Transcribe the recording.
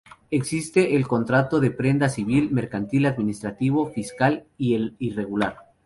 Existe el contrato de prenda civil, mercantil, administrativo, fiscal y el irregular.